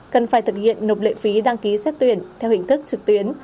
cần phải thực hiện nộp lệ phí đăng ký xét tuyển theo hình thức trực tuyến